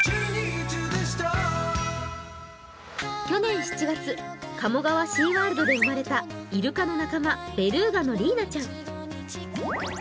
去年７月、鴨川シーワールドで生まれたイルカの仲間、ベルーナのリーガちゃん。